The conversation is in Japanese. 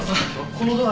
このドア